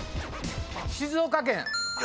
静岡県。